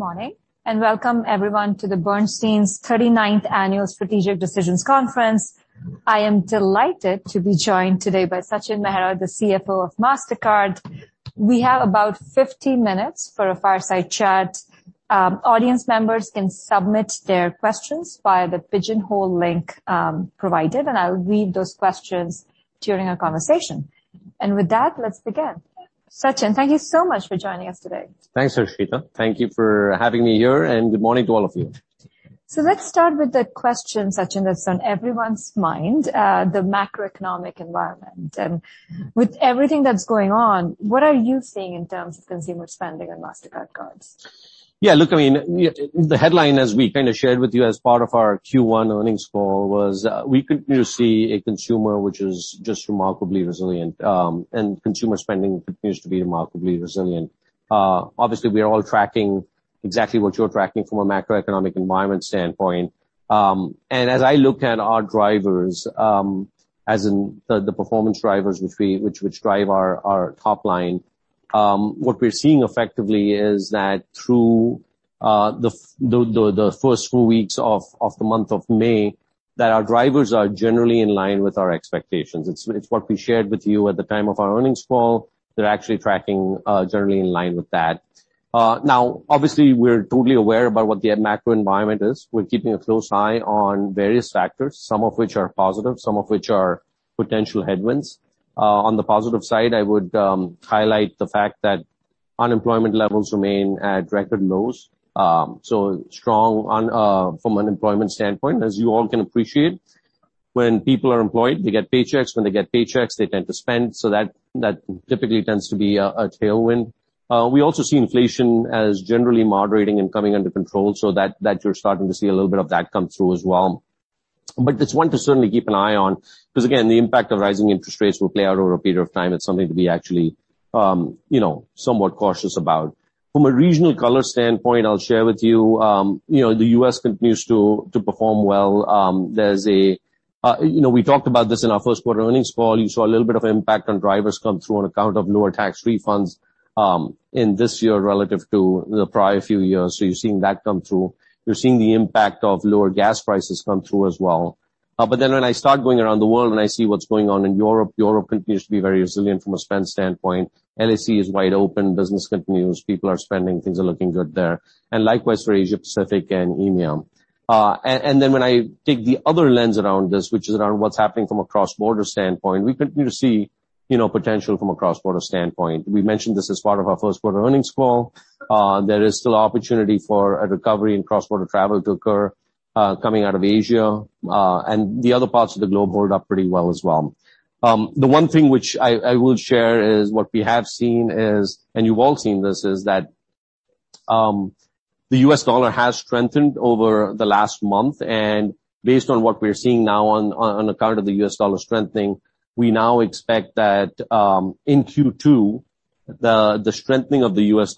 Good morning, welcome everyone to the Bernstein's 39th Annual Strategic Decisions Conference. I am delighted to be joined today by Sachin Mehra, the CFO of Mastercard. We have about 50 minutes for a fireside chat. audience members can submit their questions via the Pigeonhole link provided, and I will read those questions during our conversation. With that, let's begin. Sachin, thank you so much for joining us today. Thanks, Harshita. Thank you for having me here. Good morning to all of you. Let's start with the question, Sachin, that's on everyone's mind, the macroeconomic environment. With everything that's going on, what are you seeing in terms of consumer spending on Mastercard cards? The headline, as we shared with you as part of our Q1 earnings call, was, we continue to see a consumer which is just remarkably resilient, and consumer spending continues to be remarkably resilient. Obviously, we are all tracking exactly what you're tracking from a macroeconomic environment standpoint. And as I look at our drivers, as in the performance drivers which drive our top line, what we're seeing effectively is that through the first four weeks of the month of May, that our drivers are generally in line with our expectations. It's what we shared with you at the time of our earnings call. They're actually tracking generally in line with that. Now, obviously, we're totally aware about what the macro environment is. We're keeping a close eye on various factors, some of which are positive, some of which are potential headwinds. On the positive side, I would highlight the fact that unemployment levels remain at record lows. So strong on from an employment standpoint, as you all can appreciate. When people are employed, they get paychecks. When they get paychecks, they tend to spend, so that typically tends to be a tailwind. We also see inflation as generally moderating and coming under control, so that you're starting to see a little bit of that come through as well. It's one to certainly keep an eye on, 'cause, again, the impact of rising interest rates will play out over a period of time. It's something to be actually, you know, somewhat cautious about. From a regional color standpoint, I'll share with you know, the U.S. continues to perform well. There's a. You know, we talked about this in our first quarter earnings call. You saw a little bit of impact on drivers come through on account of lower tax refunds, in this year relative to the prior few years, so you're seeing that come through. You're seeing the impact of lower gas prices come through as well. When I start going around the world and I see what's going on in Europe continues to be very resilient from a spend standpoint. NSE is wide open, business continues, people are spending, things are looking good there, and likewise for Asia, Pacific, and EMEA. When I take the other lens around this, which is around what's happening from a cross-border standpoint, we continue to see, you know, potential from a cross-border standpoint. We mentioned this as part of our first quarter earnings call. There is still opportunity for a recovery in cross-border travel to occur, coming out of Asia, and the other parts of the globe hold up pretty well as well. The one thing which I will share is what we have seen is, and you've all seen this, is that the US dollar has strengthened over the last month. Based on what we're seeing now on account of the US dollar strengthening, we now expect that in Q2, the strengthening of the US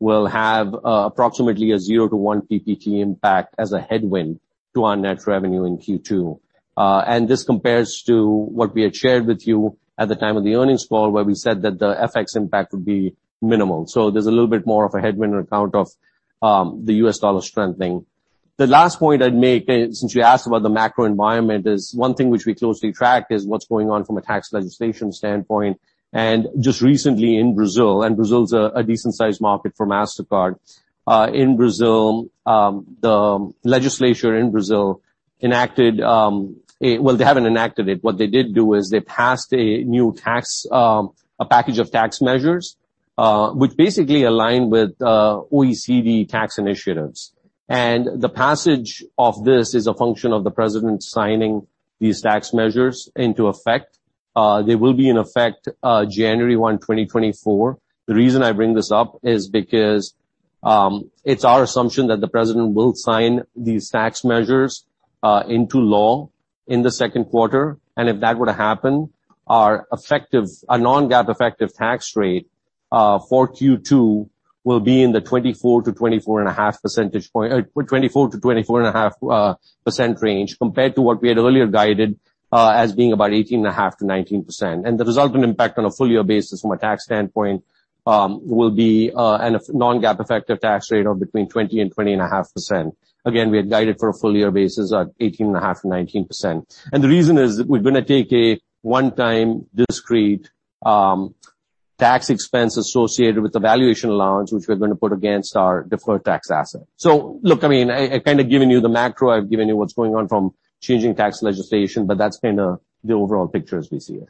dollar will have approximately a zero-one PPT impact as a headwind to our net revenue in Q2. This compares to what we had shared with you at the time of the earnings call, where we said that the FX impact would be minimal. There's a little bit more of a headwind on account of the US dollar strengthening. The last point I'd make is, since you asked about the macro environment, is one thing which we closely track is what's going on from a tax legislation standpoint. Just recently in Brazil, and Brazil is a decent-sized market for Mastercard. In Brazil, the legislature in Brazil enacted. Well, they haven't enacted it. What they did do is they passed a new tax, a package of tax measures, which basically align with OECD tax initiatives. The passage of this is a function of the president signing these tax measures into effect. They will be in effect January 1, 2024. The reason I bring this up is because it's our assumption that the president will sign these tax measures into law in the second quarter, and if that were to happen, our effective, our non-GAAP effective tax rate for Q2 will be in the 24 to 24.5 percentage point, 24% to 24.5% range, compared to what we had earlier guided as being about 18.5% to 19%. The resultant impact on a full year basis from a tax standpoint will be a non-GAAP effective tax rate of between 20% and 20.5%. Again, we had guided for a full year basis at 18.5% to 19%. The reason is we're going to take a one-time discrete, tax expense associated with the valuation allowance, which we're going to put against our deferred tax asset. Look, I mean, I've kind of given you the macro, I've given you what's going on from changing tax legislation, but that's kind of the overall picture as we see it.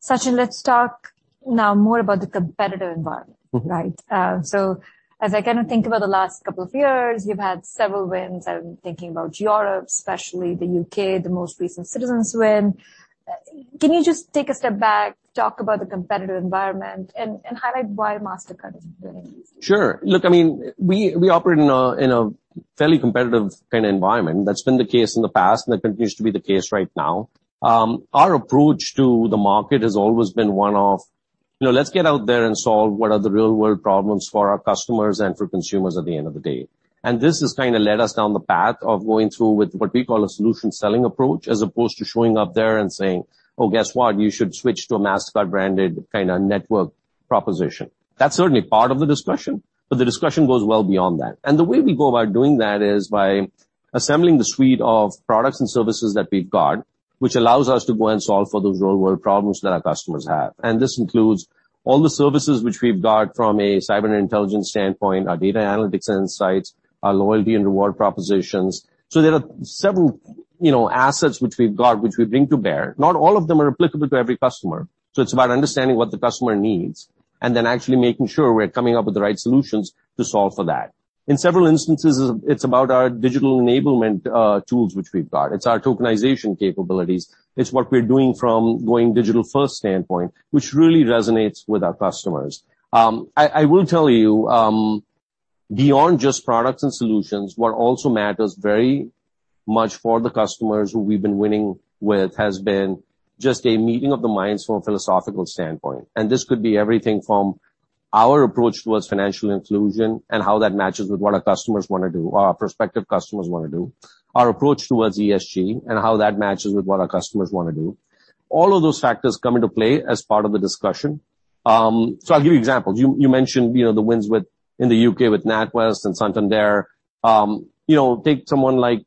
Sachin, let's talk now more about the competitive environment, right? Mm-hmm. As I kind of think about the last couple of years, you've had several wins. I'm thinking about Europe, especially the U.K., the most recent Citizens win. Can you just take a step back, talk about the competitive environment, and highlight why Mastercard is winning? Sure. Look, I mean, we operate in a fairly competitive kind of environment. That's been the case in the past, and that continues to be the case right now. Our approach to the market has always been one of, you know, let's get out there and solve what are the real-world problems for our customers and for consumers at the end of the day. This has kind of led us down the path of going through with what we call a solution selling approach, as opposed to showing up there and saying, "Oh, guess what? You should switch to a Mastercard branded kind of network proposition." That's certainly part of the discussion, but the discussion goes well beyond that. The way we go about doing that is by assembling the suite of products and services that we've got, which allows us to go and solve for those real-world problems that our customers have. This includes all the services which we've got from a cyber intelligence standpoint, our data analytics insights, our loyalty and reward propositions. There are several, you know, assets which we've got, which we bring to bear. Not all of them are applicable to every customer, so it's about understanding what the customer needs, and then actually making sure we're coming up with the right solutions to solve for that. In several instances, it's about our digital enablement tools which we've got. It's our tokenization capabilities. It's what we're doing from going digital-first standpoint, which really resonates with our customers. I will tell you, beyond just products and solutions, what also matters very much for the customers who we've been winning with, has been just a meeting of the minds from a philosophical standpoint. This could be everything from our approach towards financial inclusion and how that matches with what our customers want to do, or our prospective customers want to do, our approach towards ESG, and how that matches with what our customers want to do. All of those factors come into play as part of the discussion. I'll give you examples. You, you mentioned, you know, the wins with... In the U.K. with NatWest and Santander. You know, take someone like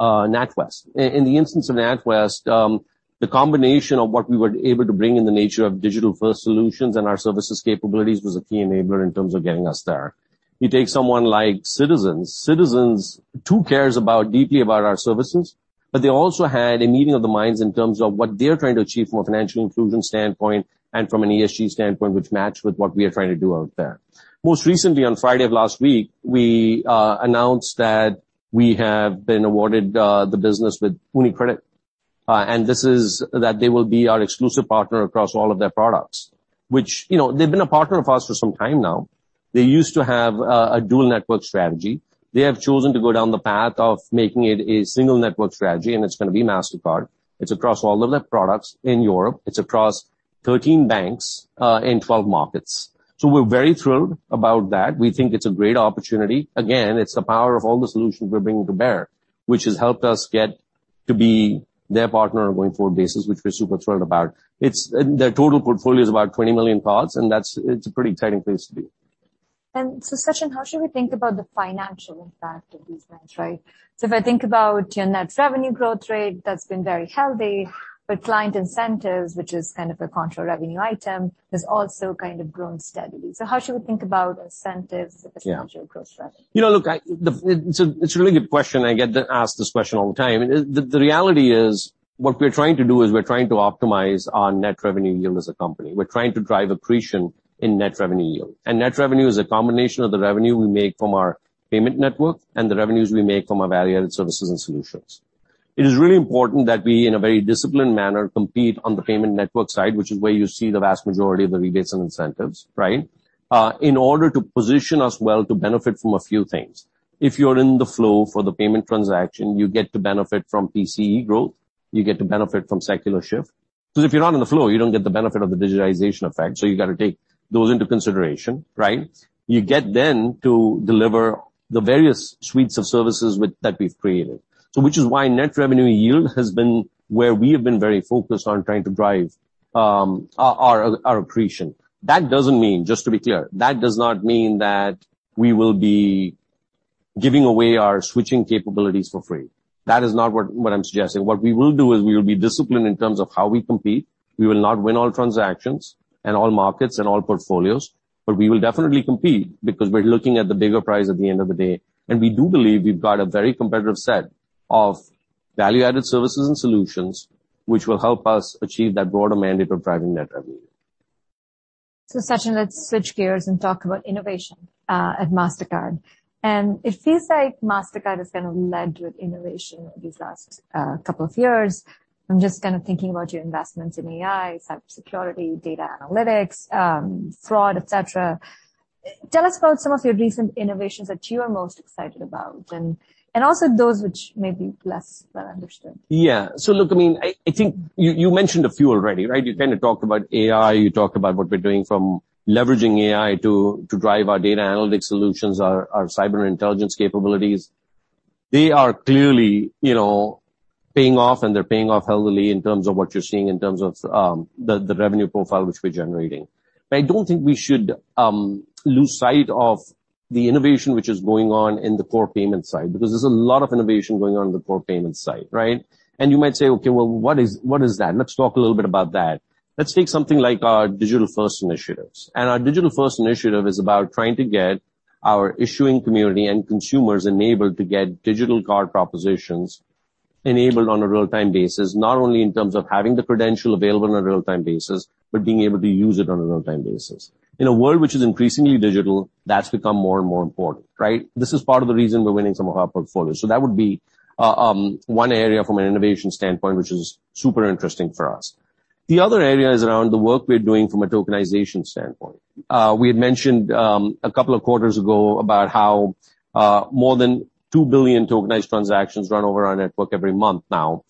NatWest. In the instance of NatWest, the combination of what we were able to bring in the nature of digital-first solutions and our services capabilities, was a key enabler in terms of getting us there. You take someone like Citizens. Citizens, too, cares about, deeply about our services, they also had a meeting of the minds in terms of what they're trying to achieve from a financial inclusion standpoint and from an ESG standpoint, which matched with what we are trying to do out there. Most recently, on Friday of last week, we announced that we have been awarded the business with UniCredit, this is that they will be our exclusive partner across all of their products. Which, you know, they've been a partner of ours for some time now. They used to have a dual network strategy. They have chosen to go down the path of making it a single network strategy, it's gonna be Mastercard. It's across all of their products in Europe. It's across 13 banks in 12 markets. We're very thrilled about that. We think it's a great opportunity. Again, it's the power of all the solutions we're bringing to bear, which has helped us get to be their partner on a going-forward basis, which we're super thrilled about. Their total portfolio is about 20 million cards, and it's a pretty exciting place to be. Sachin, how should we think about the financial impact of these banks, right? If I think about your net revenue growth rate, that's been very healthy, but client incentives, which is kind of a contra revenue item, has also kind of grown steadily. How should we think about incentives... Yeah. As a potential growth strategy? You know, look, it's a really good question. I get asked this question all the time. The reality is, what we're trying to do is we're trying to optimize our net revenue yield as a company. We're trying to drive accretion in net revenue yield. Net revenue is a combination of the revenue we make from our payment network and the revenues we make from our value-added services and solutions. It is really important that we, in a very disciplined manner, compete on the payment network side, which is where you see the vast majority of the rebates and incentives, right? In order to position us well to benefit from a few things. If you're in the flow for the payment transaction, you get to benefit from PCE growth, you get to benefit from secular shift. If you're not in the flow, you don't get the benefit of the digitization effect, you've got to take those into consideration, right? You get then to deliver the various suites of services that we've created. Which is why net revenue yield has been where we have been very focused on trying to drive our accretion. That doesn't mean, just to be clear, that does not mean that we will be giving away our switching capabilities for free. That is not what I'm suggesting. What we will do is we will be disciplined in terms of how we compete. We will not win all transactions, and all markets, and all portfolios, but we will definitely compete, because we're looking at the bigger prize at the end of the day. We do believe we've got a very competitive set of value-added services and solutions, which will help us achieve that broader mandate of driving net revenue. Sachin, let's switch gears and talk about innovation at Mastercard. It feels like Mastercard has kind of led with innovation over these last couple of years. I'm just kind of thinking about your investments in AI, cybersecurity, data analytics, fraud, et cetera. Tell us about some of your recent innovations that you are most excited about, and also those which may be less well understood. Look, I mean, I think you mentioned a few already, right? You kind of talked about AI, you talked about what we're doing from leveraging AI to drive our data analytics solutions, our cyber intelligence capabilities. They are clearly, you know, paying off, and they're paying off healthily in terms of what you're seeing, in terms of the revenue profile which we're generating. I don't think we should lose sight of the innovation which is going on in the core payment side, because there's a lot of innovation going on in the core payment side, right? You might say, "Okay, well, what is that?" Let's talk a little bit about that. Let's take something like our digital-first initiatives. Our digital-first initiative is about trying to get our issuing community and consumers enabled to get digital card propositions enabled on a real-time basis, not only in terms of having the credential available on a real-time basis, but being able to use it on a real-time basis. In a world which is increasingly digital, that's become more and more important, right? This is part of the reason we're winning some of our portfolios. That would be one area from an innovation standpoint, which is super interesting for us. The other area is around the work we're doing from a tokenization standpoint. We had mentioned a couple of quarters ago about how more than 2 billion tokenized transactions run over our network every month now.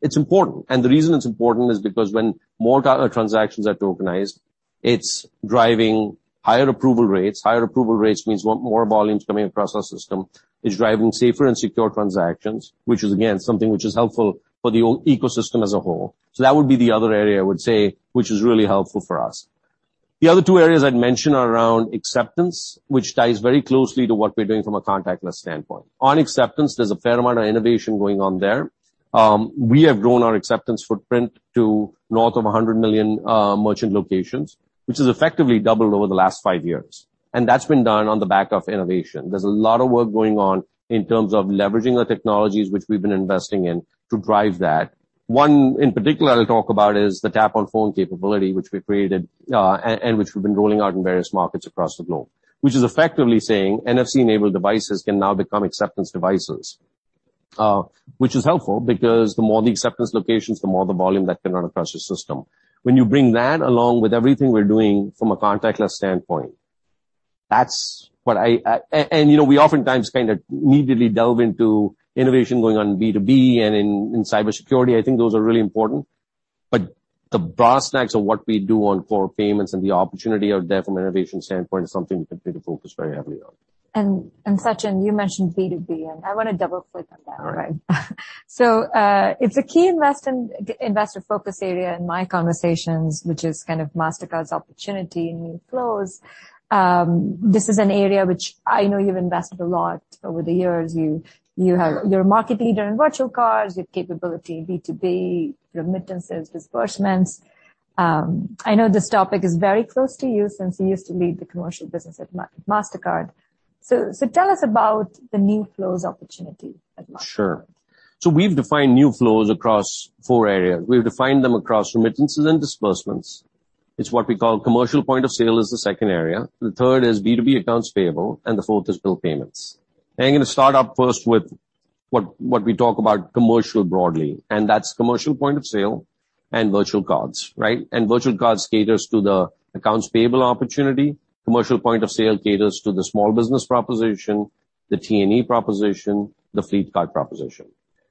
It's important, and the reason it's important is because when more data transactions are tokenized. It's driving higher approval rates. Higher approval rates means more volumes coming across our system. It's driving safer and secure transactions, which is, again, something which is helpful for the old ecosystem as a whole. That would be the other area, I would say, which is really helpful for us. The other two areas I'd mention are around acceptance, which ties very closely to what we're doing from a contactless standpoint. On acceptance, there's a fair amount of innovation going on there. We have grown our acceptance footprint to north of 100 million merchant locations, which has effectively doubled over the last five years, and that's been done on the back of innovation. There's a lot of work going on in terms of leveraging the technologies which we've been investing in to drive that. One, in particular, I'll talk about, is the Tap on Phone capability, which we created, and which we've been rolling out in various markets across the globe. Which is effectively saying, NFC-enabled devices can now become acceptance devices. Which is helpful because the more the acceptance locations, the more the volume that can run across your system. When you bring that, along with everything we're doing from a contactless standpoint, that's what I. You know, we oftentimes kind of immediately delve into innovation going on B2B and in cybersecurity. I think those are really important. The brass tacks of what we do on core payments and the opportunity are there from an innovation standpoint, is something we continue to focus very heavily on. Sachin, you mentioned B2B, and I want to double-click on that. All right. It's a key investor focus area in my conversations, which is kind of Mastercard's opportunity in new flows. This is an area which I know you've invested a lot over the years. You're a market leader in virtual cards, you have capability in B2B, remittances, disbursements. I know this topic is very close to you since you used to lead the commercial business at Mastercard. Tell us about the new flows opportunity at Mastercard. Sure. We've defined new flows across four areas. We've defined them across remittances and disbursements. It's what we call commercial point of sale is the second area. The third is B2B accounts payable, and the fourth is bill payments. I'm going to start off first with what we talk about commercial broadly, and that's commercial point of sale and virtual cards, right? Virtual cards caters to the accounts payable opportunity, commercial point of sale caters to the small business proposition, the T&E proposition, the fleet card proposition.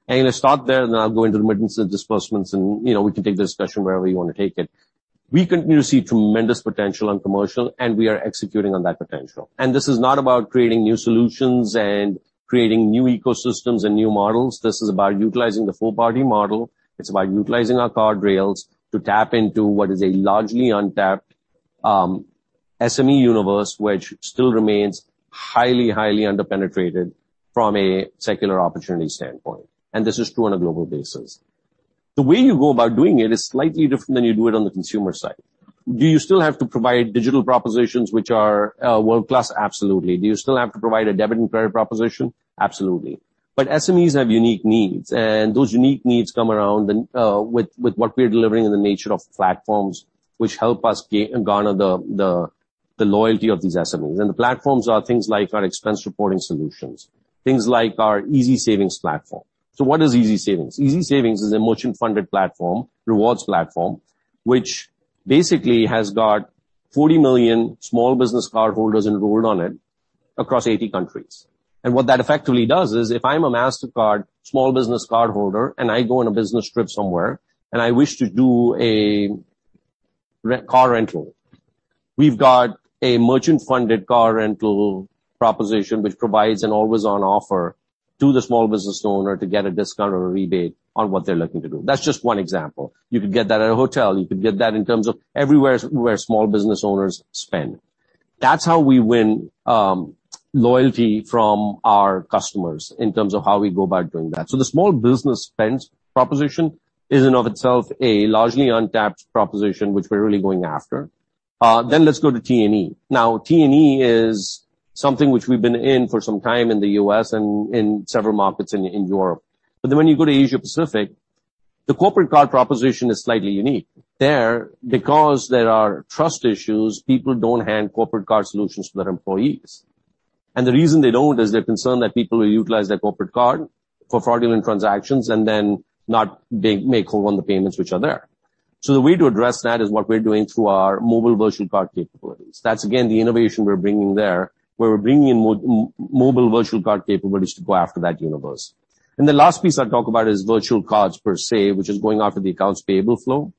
I'm going to start there, and then I'll go into remittances and disbursements, and, you know, we can take the discussion wherever you want to take it. We continue to see tremendous potential on commercial, and we are executing on that potential. This is not about creating new solutions and creating new ecosystems and new models. This is about utilizing the full party model. It's about utilizing our card rails to tap into what is a largely untapped SME universe, which still remains highly under-penetrated from a secular opportunity standpoint. This is true on a global basis. The way you go about doing it is slightly different than you do it on the consumer side. Do you still have to provide digital propositions which are world-class? Absolutely. Do you still have to provide a debit and credit proposition? Absolutely. SMEs have unique needs, and those unique needs come around in with what we are delivering in the nature of platforms which help us garner the loyalty of these SMEs. The platforms are things like our expense reporting solutions, things like our Easy Savings platform. What is Easy Savings? Easy Savings is a merchant-funded platform, rewards platform, which basically has got 40 million small business cardholders enrolled on it across 80 countries. What that effectively does is, if I'm a Mastercard small business cardholder, and I go on a business trip somewhere, and I wish to do a car rental, we've got a merchant-funded car rental proposition which provides an always-on offer to the small business owner to get a discount or a rebate on what they're looking to do. That's just one example. You could get that at a hotel. You could get that in terms of everywhere where small business owners spend. That's how we win loyalty from our customers in terms of how we go about doing that. The small business spends proposition is, in of itself, a largely untapped proposition, which we're really going after. Let's go to T&E. T&E is something which we've been in for some time in the U.S. and in several markets in Europe. When you go to Asia Pacific, the corporate card proposition is slightly unique. There, because there are trust issues, people don't hand corporate card solutions to their employees. The reason they don't is they're concerned that people will utilize their corporate card for fraudulent transactions and then not make whole on the payments which are there. The way to address that is what we're doing through our mobile virtual card capabilities. That's, again, the innovation we're bringing there, where we're bringing in mobile virtual card capabilities to go after that universe. The last piece I'll talk about is virtual cards per se, which is going after the accounts payable flow.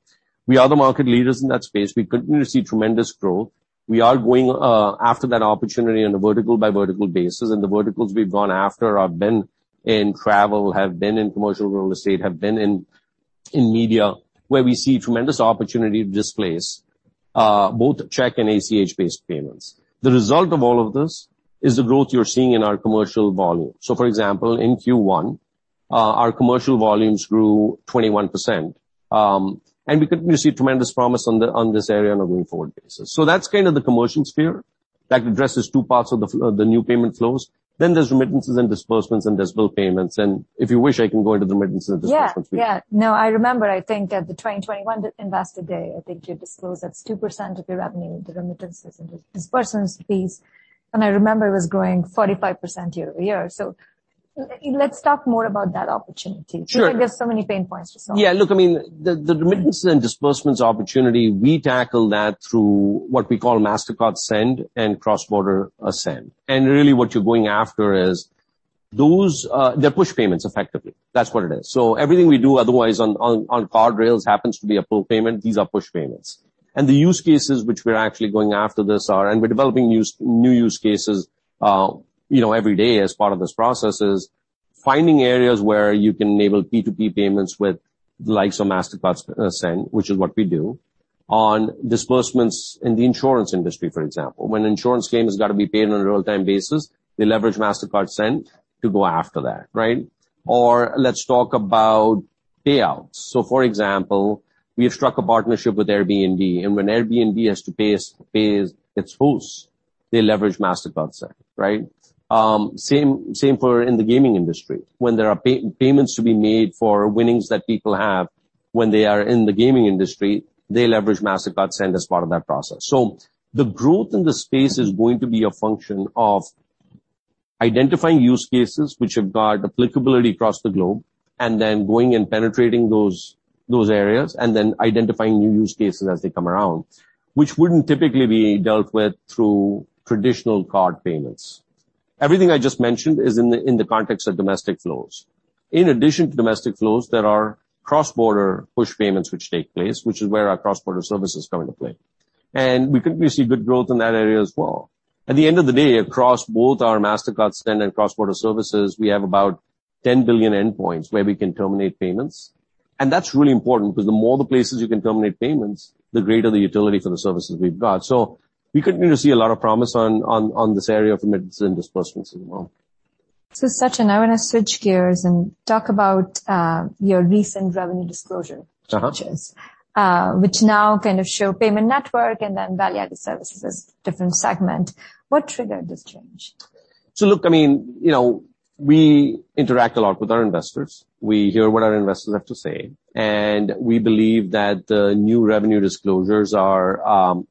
We are the market leaders in that space. We continue to see tremendous growth. We are going after that opportunity on a vertical-by-vertical basis, and the verticals we've gone after have been in travel, have been in commercial real estate, have been in media, where we see tremendous opportunity to displace both check and ACH-based payments. The result of all of this is the growth you're seeing in our commercial volume. For example, in Q1, our commercial volumes grew 21%. We continue to see tremendous promise on this area on a going-forward basis. That's kind of the commercial sphere. That addresses two parts of the new payment flows. There's remittances and disbursements, and there's bill payments, and if you wish, I can go into the remittances and disbursements piece. Yeah, yeah. No, I remember, I think, at the 2021 Investor Day, I think you disclosed that's 2% of your revenue, the remittances and disbursements fees, and I remember it was growing 45% year-over-year. Let's talk more about that opportunity. Sure. There's so many pain points to solve. Yeah. Look, I mean, the remittances and disbursements opportunity, we tackle that through what we call Mastercard Send and Cross-Border Services. Really, what you're going after, Those, they're push payments effectively. That's what it is. Everything we do otherwise on card rails happens to be a pull payment. These are push payments. The use cases which we're actually going after this are, and we're developing new use cases, you know, every day as part of this process, is finding areas where you can enable P2P payments with the likes of Mastercard Send, which is what we do, on disbursements in the insurance industry, for example. When an insurance claim has got to be paid on a real-time basis, we leverage Mastercard Send to go after that, right? Let's talk about payouts. For example, we have struck a partnership with Airbnb, and when Airbnb has to pay its hosts, they leverage Mastercard Send, right? Same for in the gaming industry. When there are payments to be made for winnings that people have when they are in the gaming industry, they leverage Mastercard Send as part of that process. The growth in the space is going to be a function of identifying use cases which have got applicability across the globe, and then going and penetrating those areas, and then identifying new use cases as they come around, which wouldn't typically be dealt with through traditional card payments. Everything I just mentioned is in the context of domestic flows. In addition to domestic flows, there are cross-border push payments which take place, which is where our Cross-Border Services come into play. We continue to see good growth in that area as well. At the end of the day, across both our Mastercard Send and Cross-Border Services, we have about 10 billion endpoints where we can terminate payments, and that's really important, because the more the places you can terminate payments, the greater the utility for the services we've got. We continue to see a lot of promise on this area of payments and disbursements as well. Sachin, I want to switch gears and talk about your recent revenue disclosure. Uh-huh. which is, which now kind of show payment network and then value-added services as different segment. What triggered this change? Look, I mean, you know, we interact a lot with our investors. We hear what our investors have to say, we believe that the new revenue disclosures are...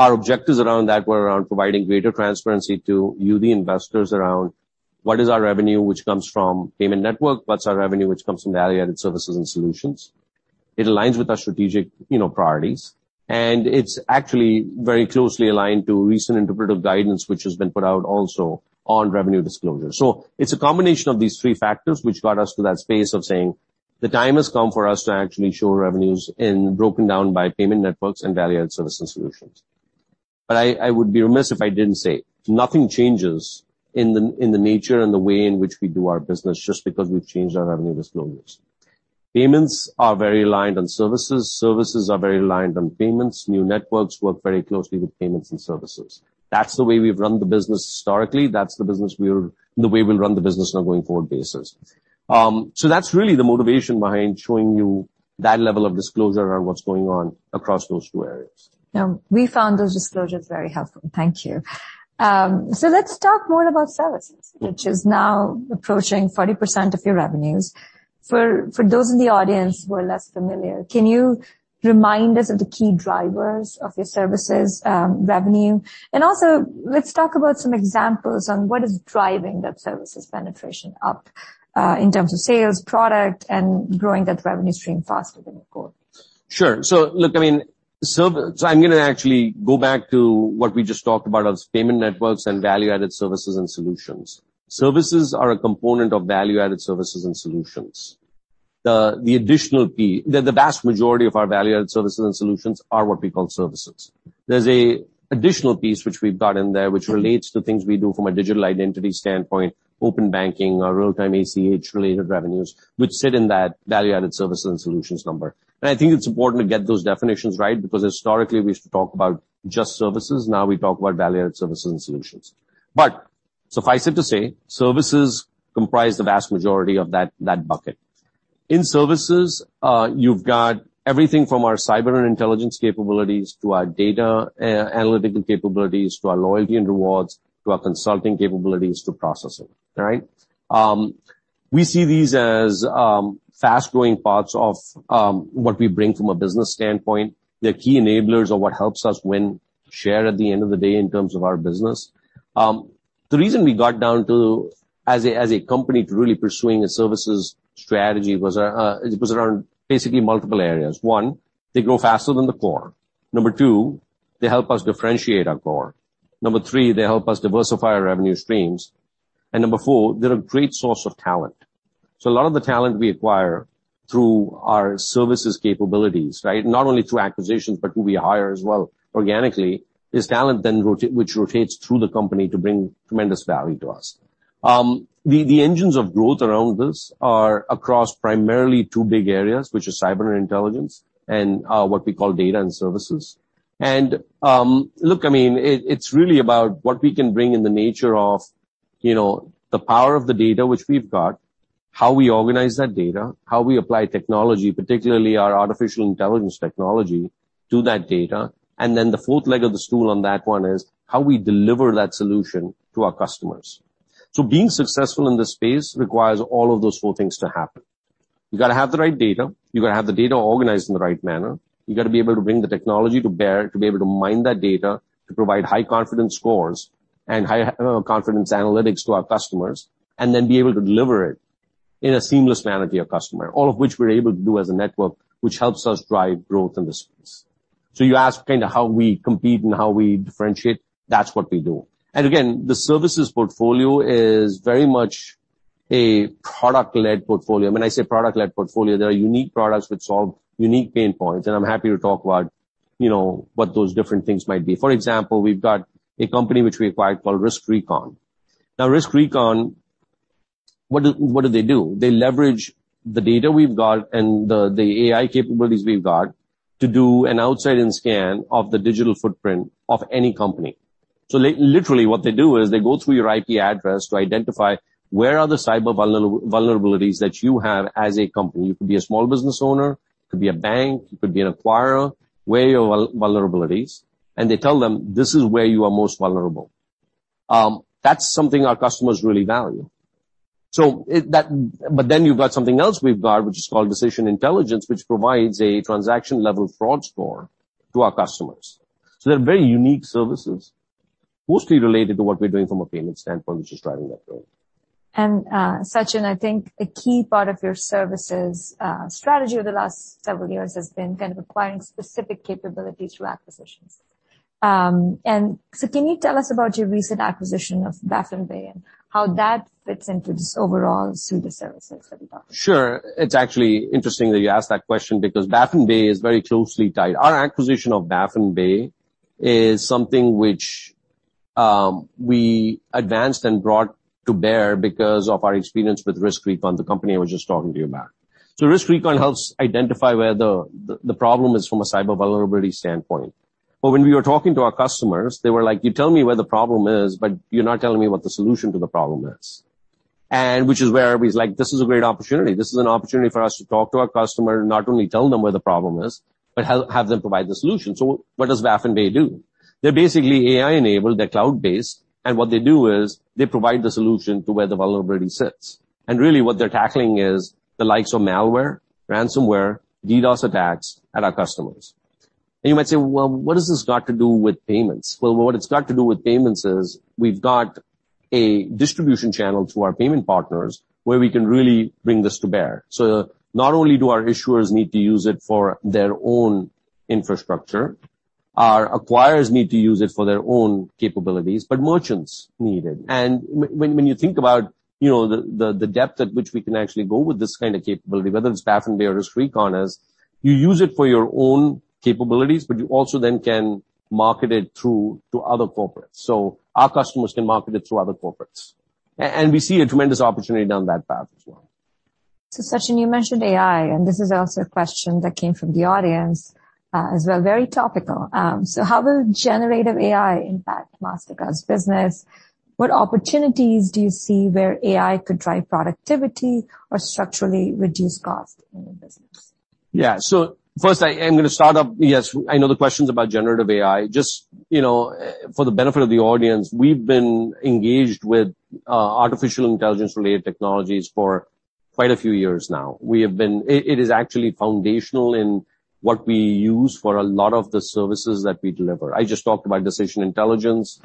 Our objectives around that were around providing greater transparency to you, the investors, around what is our revenue, which comes from payment network, what's our revenue, which comes from value-added services and solutions. It aligns with our strategic, you know, priorities, it's actually very closely aligned to recent interpretive guidance, which has been put out also on revenue disclosure. It's a combination of these three factors which got us to that space of saying, "The time has come for us to actually show revenues and broken down by payment networks and value-added services and solutions." I would be remiss if I didn't say nothing changes in the nature and the way in which we do our business just because we've changed our revenue disclosures. Payments are very aligned on services are very aligned on payments. New networks work very closely with payments and services. That's the way we've run the business historically. That's the way we'll run the business on a going-forward basis. That's really the motivation behind showing you that level of disclosure around what's going on across those two areas. We found those disclosures very helpful. Thank you. Let's talk more about services. Yeah. which is now approaching 40% of your revenues. For, for those in the audience who are less familiar, can you remind us of the key drivers of your services, revenue? Also, let's talk about some examples on what is driving that services penetration up, in terms of sales, product, and growing that revenue stream faster than the core. Sure. Look, I mean, so I'm going to actually go back to what we just talked about as payment networks and value-added services and solutions. Services are a component of value-added services and solutions. The vast majority of our value-added services and solutions are what we call services. There's a additional piece which we've got in there, which relates to things we do from a digital identity standpoint, open banking or real-time ACH-related revenues, which sit in that value-added services and solutions number. I think it's important to get those definitions right, because historically, we used to talk about just services, now we talk about value-added services and solutions. Suffice it to say, services comprise the vast majority of that bucket. In services, you've got everything from our cyber and intelligence capabilities, to our data analytical capabilities, to our loyalty and rewards, to our consulting capabilities, to processing. All right? We see these as fast-growing parts of what we bring from a business standpoint. They're key enablers of what helps us win share at the end of the day in terms of our business. The reason we got down to, as a company, to really pursuing a services strategy was it was around basically multiple areas. One, they grow faster than the core. Number two, they help us differentiate our core. Number three, they help us diversify our revenue streams. Number four, they're a great source of talent. A lot of the talent we acquire through our services capabilities, right? Not only through acquisitions, but who we hire as well organically, is talent which rotates through the company to bring tremendous value to us. The engines of growth around this are across primarily two big areas, which are cyber and intelligence and what we call data and services. Look, I mean, it's really about what we can bring in the nature of, you know, the power of the data which we've got, how we organize that data, how we apply technology, particularly our artificial intelligence technology, to that data, the fourth leg of the stool on that one is how we deliver that solution to our customers. Being successful in this space requires all of those four things to happen. You've got to have the right data. You've got to have the data organized in the right manner. You've got to be able to bring the technology to bear, to be able to mine that data, to provide high-confidence scores and high confidence analytics to our customers, and then be able to deliver it in a seamless manner to your customer, all of which we're able to do as a network, which helps us drive growth in this space. You ask kind of how we compete and how we differentiate, that's what we do. Again, the services portfolio is very much a product-led portfolio. When I say product-led portfolio, there are unique products which solve unique pain points, and I'm happy to talk about, you know, what those different things might be. For example, we've got a company which we acquired called RiskRecon. RiskRecon, what do they do? They leverage the data we've got and the AI capabilities we've got to do an outside-in scan of the digital footprint of any company. Literally, what they do is they go through your IP address to identify where are the cyber vulnerabilities that you have as a company. You could be a small business owner, you could be a bank, you could be an acquirer, where are your vulnerabilities, and they tell them, "This is where you are most vulnerable." That's something our customers really value. You've got something else we've got, which is called Decision Intelligence, which provides a transaction-level fraud score to our customers. They're very unique services, mostly related to what we're doing from a payment standpoint, which is driving that growth. Sachin, I think a key part of your services, strategy over the last several years has been kind of acquiring specific capabilities through acquisitions. Can you tell us about your recent acquisition of Baffin Bay, and how that fits into this overall suite of services that you talked about? Sure. It's actually interesting that you ask that question, because Baffin Bay is very closely tied. Our acquisition of Baffin Bay is something which we advanced and brought to bear because of our experience with RiskRecon, the company I was just talking to you about. RiskRecon helps identify where the problem is from a cyber vulnerability standpoint. When we were talking to our customers, they were like: You tell me where the problem is, but you're not telling me what the solution to the problem is. Which is where we was like, "This is a great opportunity." This is an opportunity for us to talk to our customer, and not only tell them where the problem is, but have them provide the solution. What does Baffin Bay do? They're basically AI-enabled, they're cloud-based, and what they do is they provide the solution to where the vulnerability sits. Really, what they're tackling is the likes of malware, ransomware, DDoS attacks at our customers. You might say, "Well, what does this got to do with payments?" Well, what it's got to do with payments is, we've got a distribution channel through our payment partners where we can really bring this to bear. Not only do our issuers need to use it for their own infrastructure, our acquirers need to use it for their own capabilities, but merchants need it. When you think about, you know, the depth at which we can actually go with this kind of capability, whether it's Baffin Bay or RiskRecon, is you use it for your own capabilities, but you also then can market it through to other corporates. Our customers can market it through other corporates. We see a tremendous opportunity down that path as well. Sachin, you mentioned AI. This is also a question that came from the audience as well, very topical. How will generative AI impact Mastercard's business? What opportunities do you see where AI could drive productivity or structurally reduce cost in the business? First, I'm gonna start up... Yes, I know the question's about generative AI. Just, you know, for the benefit of the audience, we've been engaged with artificial intelligence-related technologies for quite a few years now. It is actually foundational in what we use for a lot of the services that we deliver. I just talked about Decision Intelligence,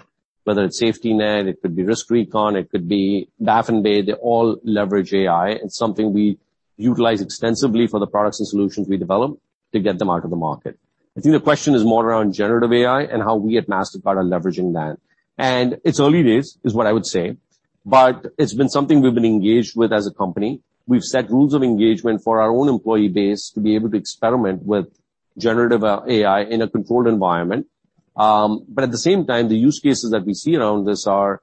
whether it's Safety Net, it could be RiskRecon, it could be Baffin Bay, they all leverage AI. It's something we utilize extensively for the products and solutions we develop to get them out into the market. I think the question is more around generative AI and how we at Mastercard are leveraging that. It's early days, is what I would say, but it's been something we've been engaged with as a company. We've set rules of engagement for our own employee base to be able to experiment with generative AI in a controlled environment. At the same time, the use cases that we see around this are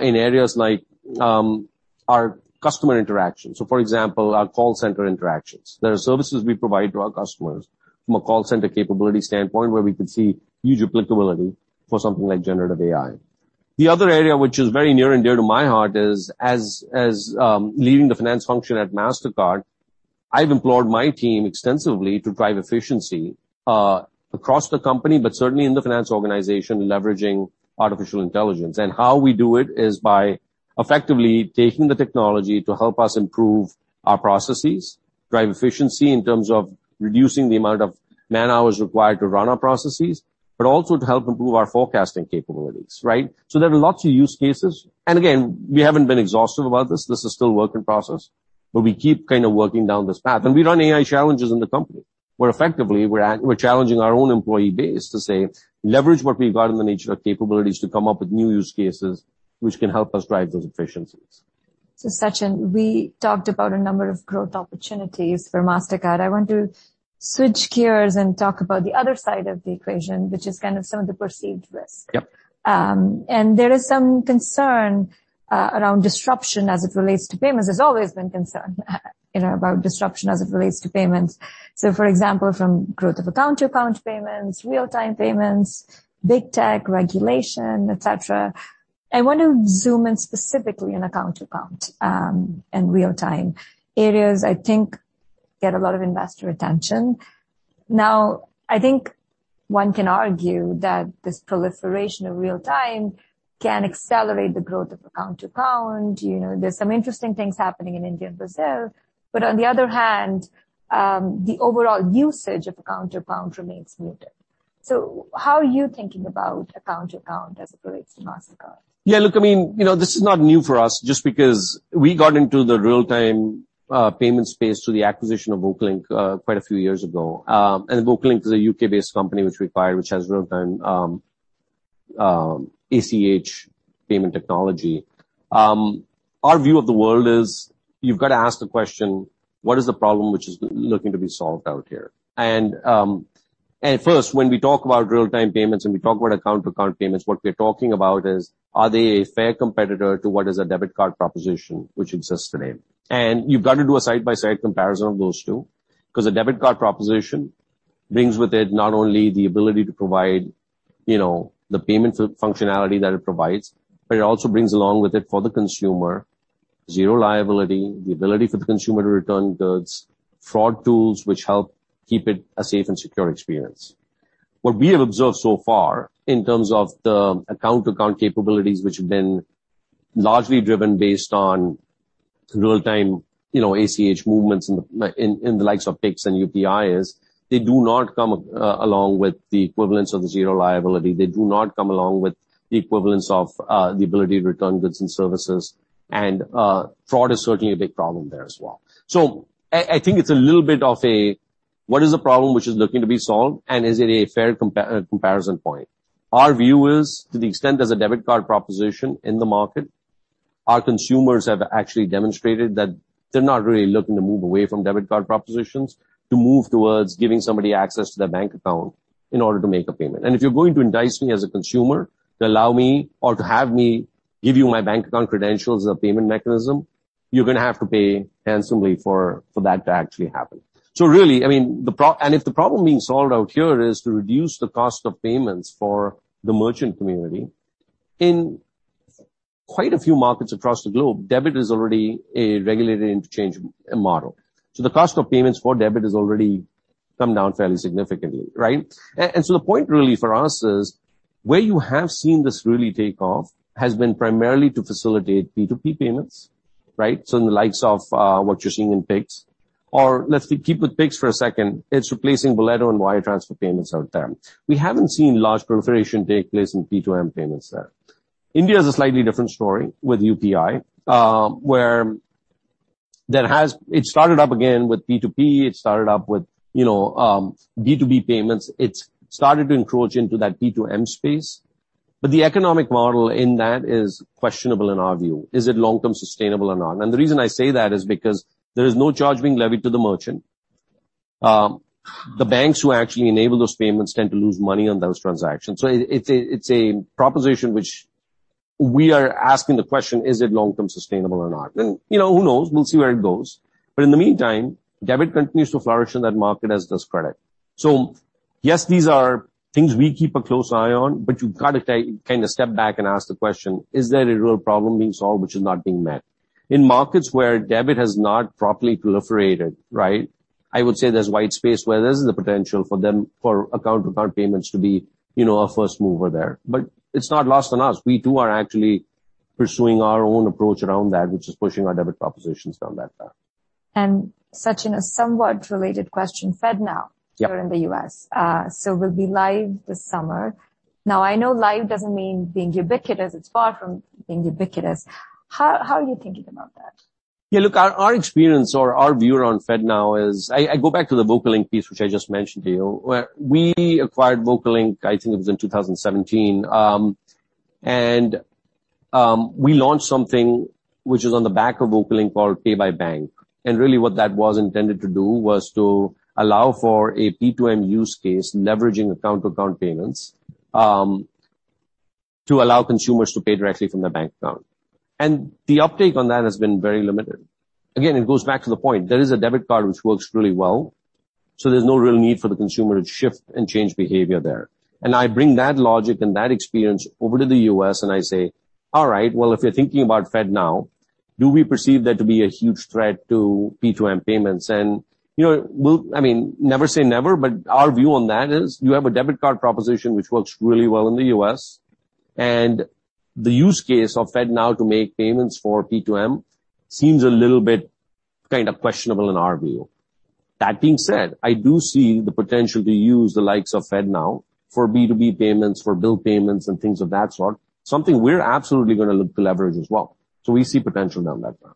in areas like our customer interaction. For example, our call center interactions. There are services we provide to our customers from a call center capability standpoint, where we could see huge applicability for something like generative AI. The other area, which is very near and dear to my heart, is as leading the finance function at Mastercard, I've implored my team extensively to drive efficiency across the company, but certainly in the finance organization, leveraging artificial intelligence. How we do it is by effectively taking the technology to help us improve our processes, drive efficiency in terms of reducing the amount of man-hours required to run our processes, but also to help improve our forecasting capabilities, right? There are lots of use cases, and again, we haven't been exhaustive about this. This is still a work in process, but we keep kind of working down this path. We run AI challenges in the company, where effectively, we're challenging our own employee base to say: Leverage what we've got in the nature of capabilities to come up with new use cases which can help us drive those efficiencies. Sachin, we talked about a number of growth opportunities for Mastercard. I want to switch gears and talk about the other side of the equation, which is kind of some of the perceived risk. Yep. There is some concern around disruption as it relates to payments. There's always been concern, you know, about disruption as it relates to payments. For example, from growth of account-to-account payments, real-time payments, Big Tech, regulation, et cetera. I want to zoom in specifically on account-to-account and real-time. Areas, I think, get a lot of investor attention. I think one can argue that this proliferation of real time can accelerate the growth of account-to-account. You know, there's some interesting things happening in India and Brazil, but on the other hand, the overall usage of account-to-account remains muted. How are you thinking about account to account as it relates to Mastercard? Yeah, look, I mean, you know, this is not new for us, just because we got into the real-time payment space through the acquisition of Vocalink quite a few years ago. Vocalink is a U.K.-based company which we acquired, which has real-time ACH payment technology. Our view of the world is you've got to ask the question: What is the problem which is looking to be solved out here? First, when we talk about real-time payments, and we talk about account-to-account payments, what we're talking about is, are they a fair competitor to what is a debit card proposition which exists today? You've got to do a side-by-side comparison of those two, cause a debit card proposition brings with it not only the ability to provide, you know, the payment functionality that it provides, but it also brings along with it, for the consumer, zero liability, the ability for the consumer to return goods, fraud tools which help keep it a safe and secure experience. What we have observed so far in terms of the account-to-account capabilities, which have been largely driven based on real-time, you know, ACH movements in the likes of Pix and UPI, is they do not come along with the equivalence of the zero liability. They do not come along with the equivalence of the ability to return goods and services, and fraud is certainly a big problem there as well. I think it's a little bit of a what is the problem which is looking to be solved, and is it a fair comparison point? Our view is, to the extent there's a debit card proposition in the market, our consumers have actually demonstrated that they're not really looking to move away from debit card propositions to move towards giving somebody access to their bank account in order to make a payment. If you're going to entice me as a consumer to allow me or to have me give you my bank account credentials as a payment mechanism, you're gonna have to pay handsomely for that to actually happen. Really, I mean, the pro... If the problem being solved out here is to reduce the cost of payments for the merchant community, in quite a few markets across the globe, debit is already a regulated interchange model. The cost of payments for debit has already come down fairly significantly, right? The point really for us is, where you have seen this really take off has been primarily to facilitate P2P payments, right? In the likes of what you're seeing in Pix or let's keep with Pix for a second, it's replacing Boleto and wire transfer payments out there. We haven't seen large proliferation take place in P2M payments there. India is a slightly different story with UPI, where it started up again with P2P. It started up with, you know, B2B payments. It's started to encroach into that P2M space. The economic model in that is questionable, in our view. Is it long-term sustainable or not? The reason I say that is because there is no charge being levied to the merchant. The banks who actually enable those payments tend to lose money on those transactions. It's a proposition which we are asking the question: Is it long-term sustainable or not? You know, who knows? We'll see where it goes. In the meantime, debit continues to flourish in that market, as does credit. Yes, these are things we keep a close eye on, but you've got to take a step back and ask the question: Is there a real problem being solved which is not being met? In markets where debit has not properly proliferated, right, I would say there's white space where there's the potential for them, for account-to-account payments to be, you know, a first mover there. It's not lost on us. We, too, are actually pursuing our own approach around that, which is pushing our debit propositions down that path. Sachin, a somewhat related question, FedNow- Yeah. here in the U.S., so will be live this summer. I know live doesn't mean being ubiquitous. It's far from being ubiquitous. How are you thinking about that? Yeah, look, our experience or our view on FedNow is... I go back to the Vocalink piece, which I just mentioned to you, where we acquired Vocalink, I think it was in 2017. We launched something which is on the back of Vocalink called Pay by Bank. Really what that was intended to do was to allow for a P2M use case, leveraging account-to-account payments, to allow consumers to pay directly from their bank account. The uptake on that has been very limited. Again, it goes back to the point, there is a debit card which works really well, so there's no real need for the consumer to shift and change behavior there. I bring that logic and that experience over to the U.S., and I say, "All right, well, if you're thinking about FedNow, do we perceive that to be a huge threat to P2M payments?" You know, we'll... I mean, never say never, but our view on that is you have a debit card proposition which works really well in the U.S., and the use case of FedNow to make payments for P2M seems a little bit kind of questionable in our view. That being said, I do see the potential to use the likes of FedNow for B2B payments, for bill payments and things of that sort, something we're absolutely gonna look to leverage as well. We see potential down that path.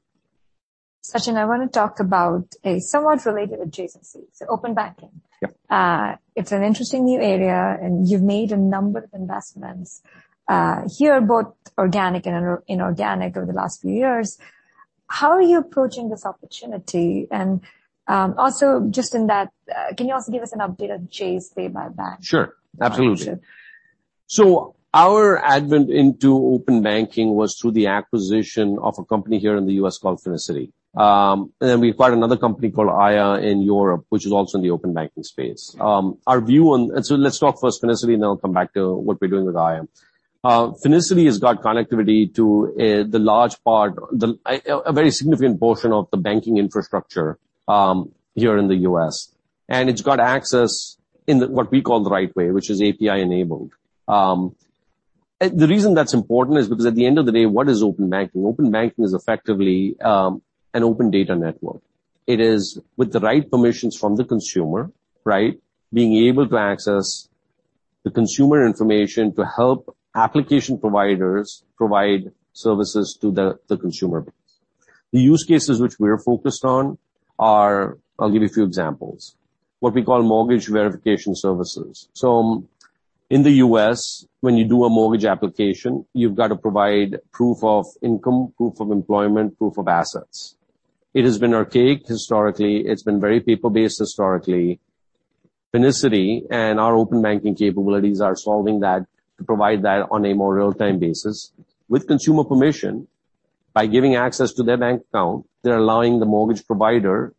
Sachin, I want to talk about a somewhat related adjacency, so open banking. Yeah. It's an interesting new area, and you've made a number of investments here, both organic and inorganic, over the last few years. How are you approaching this opportunity? Also just in that, can you also give us an update on Chase Pay by Bank? Sure. Absolutely. Our advent into open banking was through the acquisition of a company here in the US called Finicity. Then we acquired another company called Aiia in Europe, which is also in the open banking space. Our view on... Let's talk first Finicity, and then I'll come back to what we're doing with Aiia. Finicity has got connectivity to the large part, a very significant portion of the banking infrastructure here in the US, and it's got access in the, what we call the right way, which is API-enabled. The reason that's important is because at the end of the day, what is open banking? Open banking is effectively an open data network. It is with the right permissions from the consumer, right? Being able to access the consumer information to help application providers provide services to the consumer base. The use cases which we are focused on are. I'll give you a few examples. What we call mortgage verification services. In the U.S., when you do a mortgage application, you've got to provide proof of income, proof of employment, proof of assets. It has been archaic historically. It's been very people-based historically. Finicity and our open banking capabilities are solving that, to provide that on a more real-time basis. With consumer permission, by giving access to their bank account, they're allowing the mortgage provider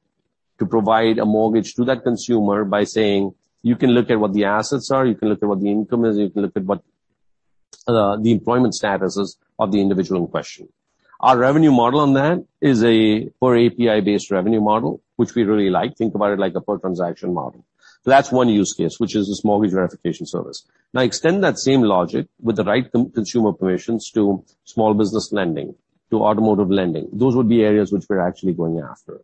to provide a mortgage to that consumer by saying, "You can look at what the assets are, you can look at what the income is, you can look at what the employment status is of the individual in question." Our revenue model on that is a per API-based revenue model, which we really like. Think about it like a per transaction model. That's one use case, which is this mortgage verification service. Extend that same logic with the right consumer permissions to small business lending, to automotive lending. Those would be areas which we're actually going after.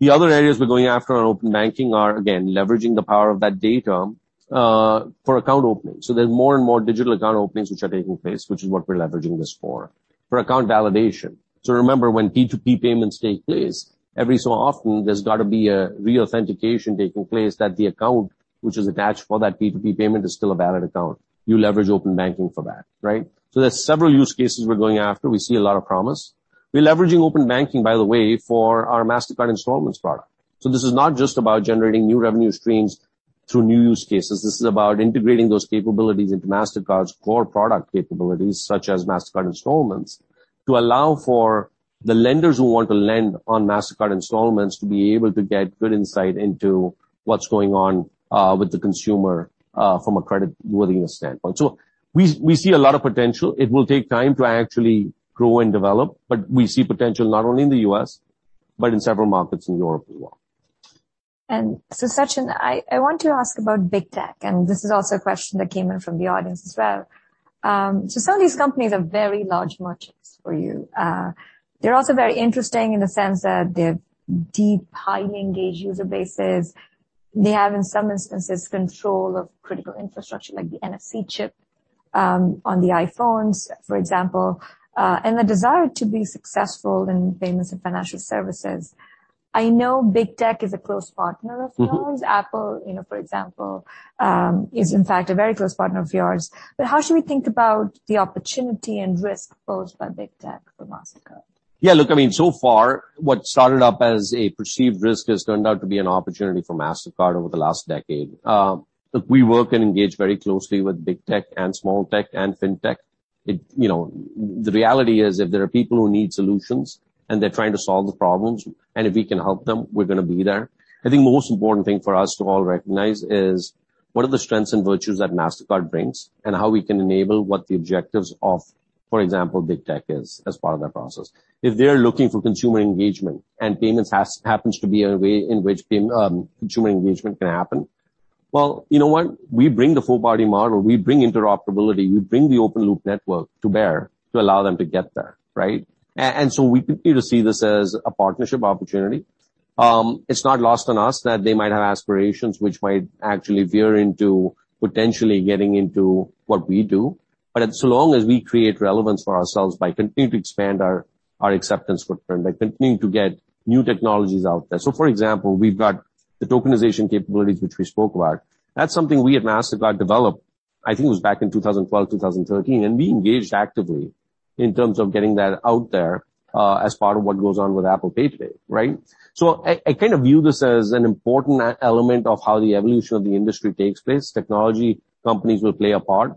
The other areas we're going after on open banking are, again, leveraging the power of that data for account opening. There's more and more digital account openings which are taking place, which is what we're leveraging this for. For account validation. Remember, when P2P payments take place, every so often there's got to be a reauthentication taking place that the account which is attached for that P2P payment is still a valid account. You leverage open banking for that, right? There's several use cases we're going after. We see a lot of promise. We're leveraging open banking, by the way, for our Mastercard Installments product. This is not just about generating new revenue streams through new use cases. This is about integrating those capabilities into Mastercard's core product capabilities, such as Mastercard Installments, to allow for the lenders who want to lend on Mastercard Installments to be able to get good insight into what's going on with the consumer from a creditworthiness standpoint. We see a lot of potential. It will take time to actually grow and develop, but we see potential not only in the U.S., but in several markets in Europe as well. Sachin, I want to ask about Big Tech, and this is also a question that came in from the audience as well. Some of these companies are very large merchants for you. They're also very interesting in the sense that they have deep, highly engaged user bases. They have, in some instances, control of critical infrastructure, like the NFC chip, on the iPhones, for example, and the desire to be successful in payments and financial services. I know Big Tech is a close partner of yours. Mm-hmm. Apple, you know, for example, is in fact a very close partner of yours. How should we think about the opportunity and risk posed by Big Tech for Mastercard? Look, I mean, what started up as a perceived risk has turned out to be an opportunity for Mastercard over the last decade. Look, we work and engage very closely with Big Tech and Small Tech and Fintech. You know, the reality is, if there are people who need solutions and they're trying to solve the problems, if we can help them, we're going to be there. I think the most important thing for us to all recognize is, what are the strengths and virtues that Mastercard brings, how we can enable what the objectives of, for example, Big Tech is, as part of that process. If they're looking for consumer engagement, payments happens to be a way in which payment, consumer engagement can happen, well, you know what? We bring the full body model. We bring interoperability, we bring the open loop network to bear to allow them to get there, right? We continue to see this as a partnership opportunity. It's not lost on us that they might have aspirations which might actually veer into potentially getting into what we do. So long as we create relevance for ourselves by continuing to expand our acceptance footprint, by continuing to get new technologies out there. For example, we've got the tokenization capabilities, which we spoke about. That's something we at Mastercard developed, I think it was back in 2012, 2013, and we engaged actively in terms of getting that out there as part of what goes on with Apple Pay today, right? I kind of view this as an important element of how the evolution of the industry takes place. Technology companies will play a part.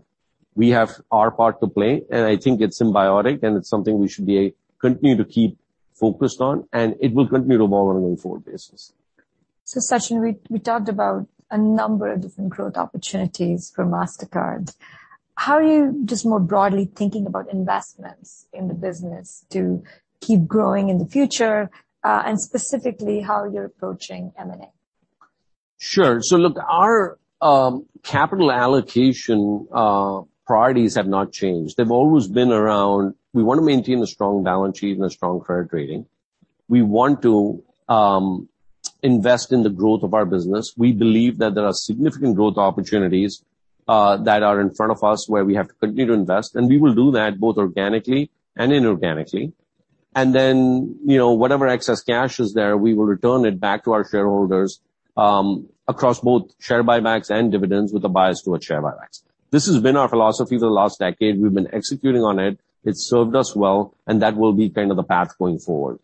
We have our part to play, and I think it's symbiotic, and it's something we should be, continue to keep focused on, and it will continue to evolve on an ongoing forward basis. Sachin, we talked about a number of different growth opportunities for Mastercard. How are you just more broadly thinking about investments in the business to keep growing in the future, and specifically, how you're approaching M&A? Sure. Look, our capital allocation priorities have not changed. They've always been around. We want to maintain a strong balance sheet and a strong credit rating. We want to invest in the growth of our business. We believe that there are significant growth opportunities that are in front of us, where we have to continue to invest, and we will do that both organically and inorganically. You know, whatever excess cash is there, we will return it back to our shareholders across both share buybacks and dividends, with a bias toward share buybacks. This has been our philosophy for the last decade. We've been executing on it. It's served us well, and that will be kind of the path going forward.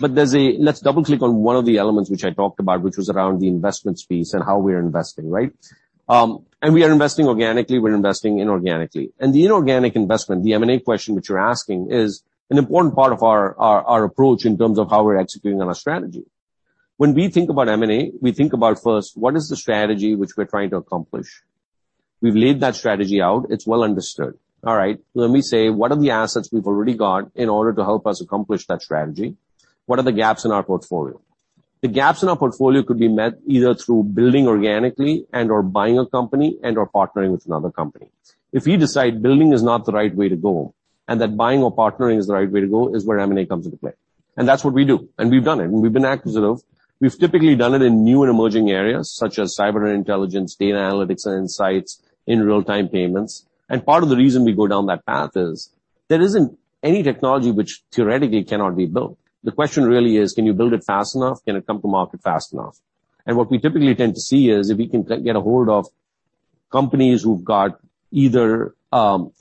There's a. Let's double-click on one of the elements which I talked about, which was around the investments piece and how we are investing, right? We are investing organically, we're investing inorganically. The inorganic investment, the M&A question which you're asking, is an important part of our approach in terms of how we're executing on our strategy. When we think about M&A, we think about first, what is the strategy which we're trying to accomplish? We've laid that strategy out. It's well understood. All right. Let me say, what are the assets we've already got in order to help us accomplish that strategy? What are the gaps in our portfolio? The gaps in our portfolio could be met either through building organically and/or buying a company and/or partnering with another company. If we decide building is not the right way to go, that buying or partnering is the right way to go, is where M&A comes into play. That's what we do, and we've done it, and we've been acquisitive. We've typically done it in new and emerging areas, such as cyber intelligence, data analytics and insights, in real-time payments. Part of the reason we go down that path is there isn't any technology which theoretically cannot be built. The question really is: Can you build it fast enough? Can it come to market fast enough? What we typically tend to see is, if we can get a hold of companies who've got either,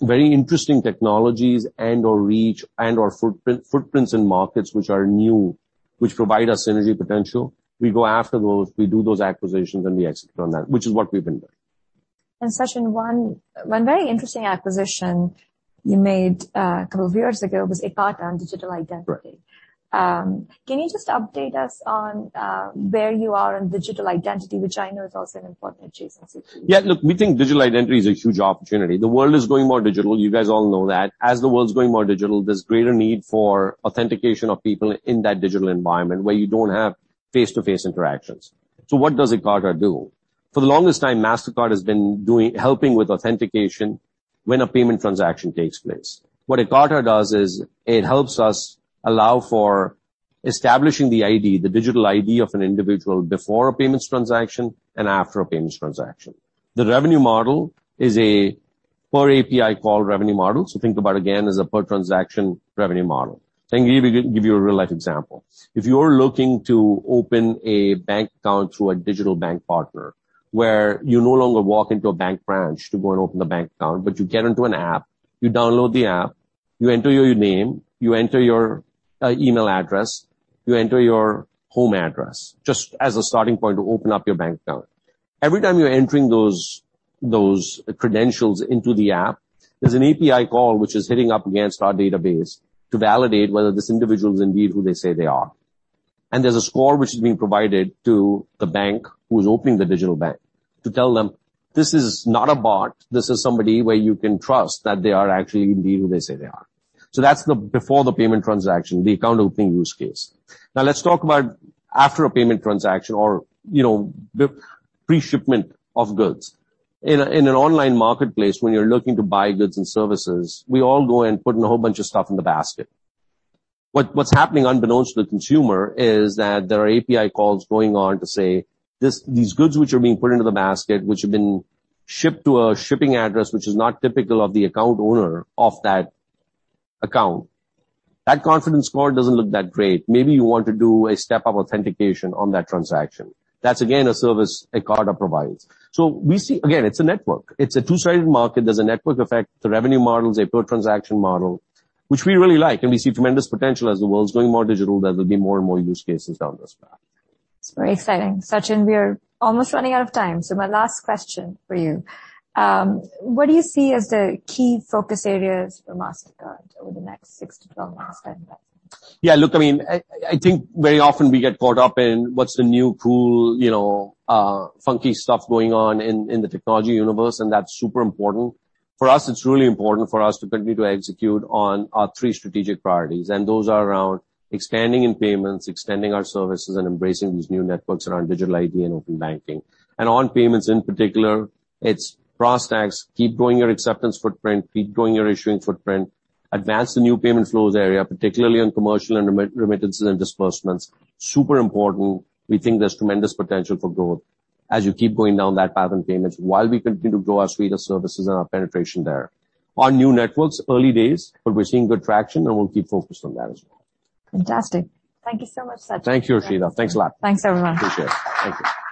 very interesting technologies and/or reach and/or footprints in markets which are new, which provide us synergy potential, we go after those, we do those acquisitions, and we execute on that, which is what we've been doing. Sachin, one very interesting acquisition you made a couple of years ago was Ekata and digital identity. Right. Can you just update us on where you are in digital identity, which I know is also an important adjacent situation? Yeah, look, we think digital identity is a huge opportunity. The world is going more digital. You guys all know that. As the world's going more digital, there's greater need for authentication of people in that digital environment, where you don't have face-to-face interactions. What does Ekata do? For the longest time, Mastercard has been helping with authentication when a payment transaction takes place. What Ekata does is it helps us allow for establishing the ID, the digital ID of an individual before a payments transaction and after a payments transaction. The revenue model is a per API call revenue model, so think about, again, as a per transaction revenue model. I can give you a real-life example. If you're looking to open a bank account through a digital bank partner, where you no longer walk into a bank branch to go and open the bank account, but you get into an app, you download the app, you enter your name, you enter your email address, you enter your home address, just as a starting point to open up your bank account. Every time you're entering those credentials into the app, there's an API call, which is hitting up against our database to validate whether this individual is indeed who they say they are. There's a score which is being provided to the bank, who's opening the digital bank, to tell them, "This is not a bot. This is somebody where you can trust that they are actually indeed who they say they are." That's the before the payment transaction, the account opening use case. Let's talk about after a payment transaction or, you know, the pre-shipment of goods. In an online marketplace, when you're looking to buy goods and services, we all go and put in a whole bunch of stuff in the basket. What's happening unbeknownst to the consumer is that there are API calls going on to say, "These goods which are being put into the basket, which have been shipped to a shipping address, which is not typical of the account owner of that account, that confidence score doesn't look that great. Maybe you want to do a step-up authentication on that transaction." That's, again, a service Ekata provides. We see... Again, it's a network. It's a two-sided market. There's a network effect. The revenue model is a per transaction model, which we really like, and we see tremendous potential. As the world's going more digital, there will be more and more use cases down this path. It's very exciting. Sachin, we are almost running out of time. My last question for you: what do you see as the key focus areas for Mastercard over the next six-12 months time? Yeah, look, I mean, I think very often we get caught up in what's the new, cool, you know, funky stuff going on in the technology universe, and that's super important. For us, it's really important for us to continue to execute on our three strategic priorities, and those are around expanding in payments, extending our services, and embracing these new networks around digital ID and open banking. On payments in particular, it's process, keep growing your acceptance footprint, keep growing your issuing footprint, advance the new payment flows area, particularly on commercial and remittances and disbursements. Super important. We think there's tremendous potential for growth as you keep going down that path in payments, while we continue to grow our suite of services and our penetration there. On new networks, early days, but we're seeing good traction, and we'll keep focused on that as well. Fantastic. Thank you so much, Sachin. Thank you, Harshita. Thanks a lot. Thanks, everyone. Appreciate it. Thank you